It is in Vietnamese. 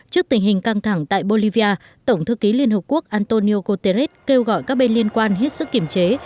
trước tình hình căng thẳng tại bolivia tổng thư ký liên hợp quốc antonio guterres kêu gọi các bên liên quan hết sức kiểm chế